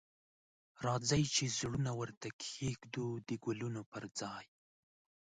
راځئ چې زړونه ورته کښیږدو د ګلونو پر ځای